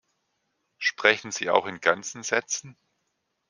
Sprechen Sie auch in ganzen Sätzen?